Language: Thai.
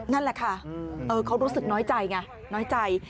นั่นแหละค่ะเขารู้สึกน้อยใจไงน้อยใจ